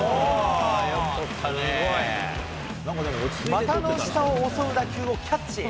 股の下を襲う打球をキャッチ。